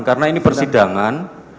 karena ini persidangan